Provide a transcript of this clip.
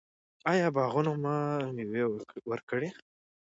آیا باغونه به میوه ورکړي؟